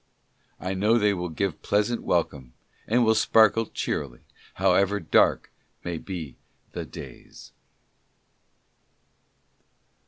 I know they will give pleasant welcome, and will sparkle cheerily, however dark may be the days.